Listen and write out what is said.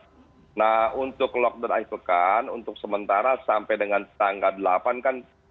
kemudian juga mendengar masukan dari para pakar epidemiologi popo pindah dan lain termasuk juga dikoordinasikan dengan satgas pusat pemerintah pemerintah